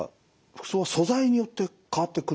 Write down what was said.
服装は素材によって変わってくる。